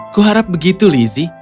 kuharap begitu lizzie